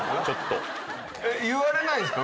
言われないんすか？